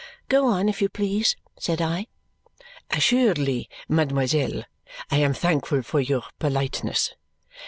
"Go on, if you please," said I. "Assuredly; mademoiselle, I am thankful for your politeness.